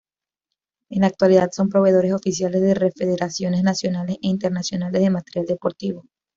En la actualidad son proveedores oficiales de federaciones nacionales e internacionales de material deportivo.